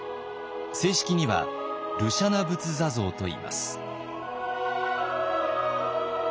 正式には盧舎那仏坐像といいます。